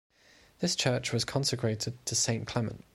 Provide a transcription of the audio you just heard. This church was consecrated to Saint Clement.